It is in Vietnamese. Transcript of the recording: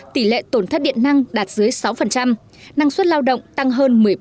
tỷ lệ tổn thất điện năng đạt dưới sáu năng suất lao động tăng hơn một mươi ba